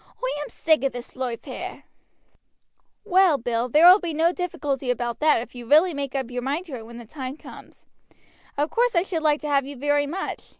Oi am sick of this loife here." "Well, Bill, there will be no difficulty about that if you really make up your mind to it when the time comes. Of course I should like to have you very much.